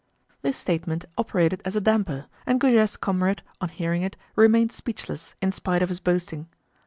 This statement operated as a damper, and Goujet's comrade, on hearing it, remained speechless, in spite of his boasting.